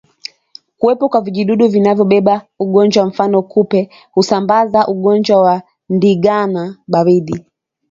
Kuwepo kwa vijidudu vinavyobeba ugonjwa mfano kupe husamabaza ugonjwa wa ndigana baridi